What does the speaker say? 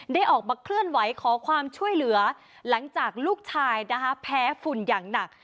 ได้ออกมาเคลื่อนไหวขอความช่วยเหลือหลังจากลูกชายนะคะแพ้ฝุ่นอย่างหนัก